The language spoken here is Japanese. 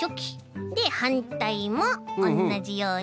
ではんたいもおんなじように。